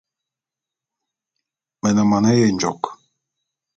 Me ne mone yenjôk.